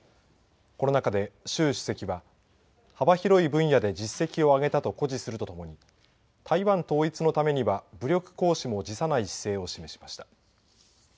この中で習主席は幅広い分野で実績を上げたと誇示するとともに台湾統一のためには武力行使も辞さない姿勢を示しました。